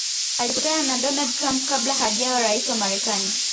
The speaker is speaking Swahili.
alikutana na donald trump kabla hajawa raisi wa marekani